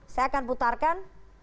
saya akan putarkan